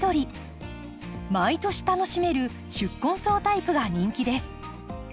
毎年楽しめる宿根草タイプが人気です。